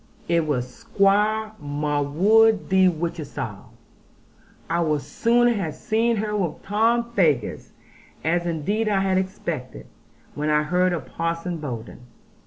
It was Squire Marwood de Whichehalse. I would sooner have seen her with Tom Faggus, as indeed I had expected, when I heard of Parson Bowden.